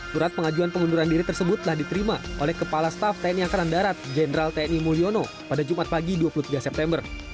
surat pengajuan pengunduran diri tersebut telah diterima oleh kepala staff tni angkatan darat jenderal tni mulyono pada jumat pagi dua puluh tiga september